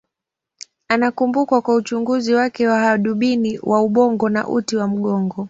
Anakumbukwa kwa uchunguzi wake wa hadubini wa ubongo na uti wa mgongo.